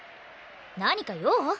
何か用？